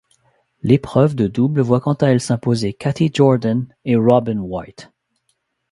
L'épreuve de double voit quant à elle s'imposer Kathy Jordan et Robin White.